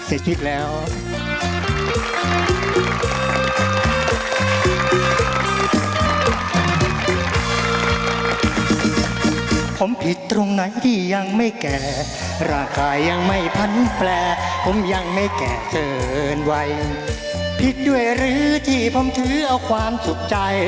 ขอบคุณครับขอบคุณครับ